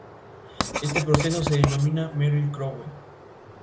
Este diseño ayudó a Peugeot producir su primer coche de tracción delantera.